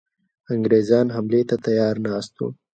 انګرېزان حملې ته تیار ناست وه.